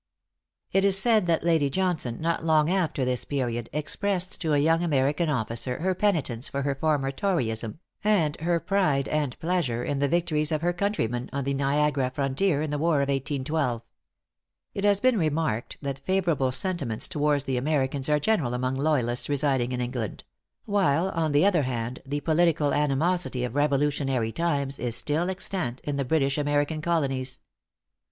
It is said that Lady Johnson, not long after this period, expressed to a young American officer her penitence for her former toryism, and her pride and pleasure in the victories of her countrymen on the Niagara frontier, in the war of 1812. It has been remarked that favorable sentiments towards the Americans are general among loyalists residing in England; while, on the other hand, the political animosity of Revolutionary times is still extant in the British American Colonies.